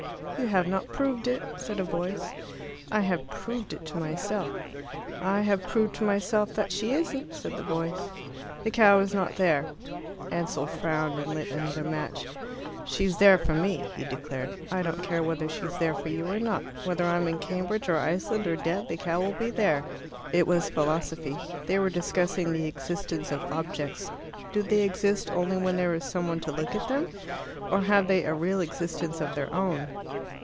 "You have not proved it," said a voice. "I have proved it to myself." "I have proved to myself that she isn't," said the voice. "The cow is not there." Ansell frowned and lit another match. "She's there for me," he declared. "I don't care whether she's there for you or not. Whether I'm in Cambridge or Iceland or dead, the cow will be there." It was philosophy. They were discussing the existence of objects. Do they exist only when there is some one to look at them? Or have they a real existence of their own?